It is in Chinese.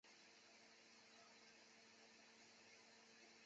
大学时期他两度入选全美大学最佳阵容。